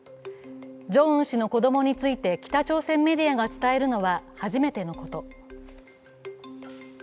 ジョンウン氏の子供について北朝鮮メディアが伝えるのは初めてのこと。